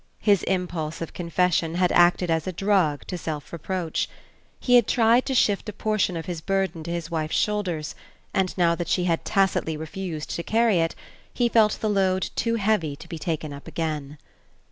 His impulse of confession had acted as a drug to self reproach. He had tried to shift a portion of his burden to his wife's shoulders and now that she had tacitly refused to carry it, he felt the load too heavy to be taken up again.